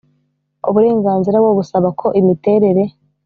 uburenganzira bwo gusaba ko imiterere